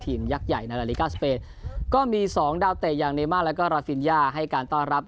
ยักษ์ใหญ่ในนาฬิกาสเปนก็มีสองดาวเตะอย่างเนม่าแล้วก็ราฟิญญาให้การต้อนรับ